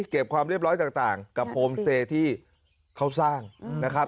เก็บความเรียบร้อยต่างกับโพรมเจที่เขาสร้างนะครับ